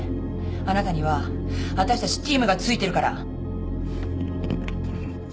あなたにはわたしたちチームが付いてるから」「フフッ。